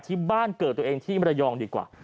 ที่บ้านเกิดตัวเองที่มรยองดีกว่า